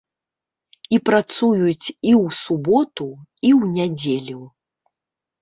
І працуюць і ў суботу, і ў нядзелю.